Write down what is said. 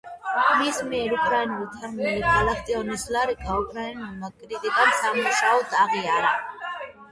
მის მიერ უკრაინულად თარგმნილი გალაკტიონის ლირიკა უკრაინულმა კრიტიკამ სანიმუშოდ აღიარა.